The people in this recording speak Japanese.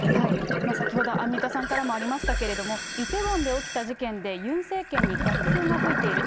先ほど、アンミカさんからもありましたけれども、イテウォンで起きた事件で、ユン政権に逆風が吹いている。